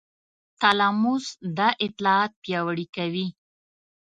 تلاموس دا اطلاعات پیاوړي کوي.